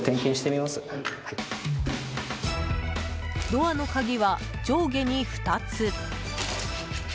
ドアの鍵は、上下に２つ。